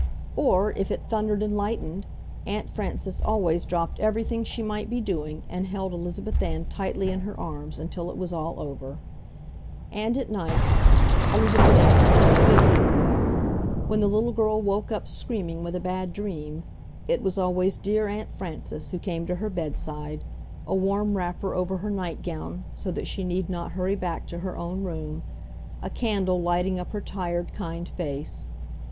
Or if it thundered and lightened, Aunt Frances always dropped everything she might be doing and held Elizabeth Ann tightly in her arms until it was all over. And at night—Elizabeth Ann did not sleep very well—when the little girl woke up screaming with a bad dream, it was always dear Aunt Frances who came to her bedside, a warm wrapper over her nightgown so that she need not hurry back to her own room, a candle lighting up her tired, kind face.